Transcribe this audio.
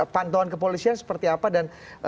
pantauan kepolisian seperti apa dan